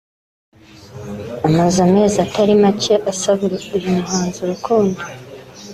amaze amezi atari make asaba uyu muhanzi urukundo